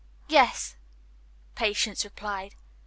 "Yes," Patience replied.